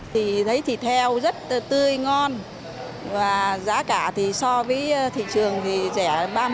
thì thấy thịt heo rất tươi ngon và giá cả thì so với thị trường thì rẻ ba mươi